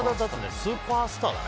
スーパースターだね。